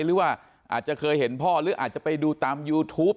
หรือว่าอาจจะเคยเห็นพ่อหรืออาจจะไปดูตามยูทูป